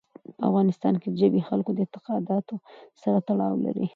په افغانستان کې ژبې د خلکو د اعتقاداتو سره تړاو لري.